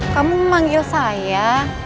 kamu memanggil saya